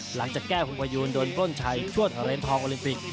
หลังจากแก้วฮุงประยูนโดนปล้นชัยชวดเหรียญทองโอลิมปิก